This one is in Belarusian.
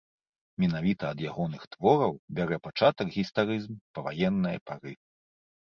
Менавіта ад ягоных твораў бярэ пачатак гістарызм паваеннае пары.